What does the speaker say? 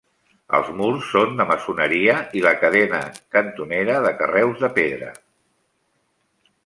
Els murs són de maçoneria i la cadena cantonera de carreus de pedra.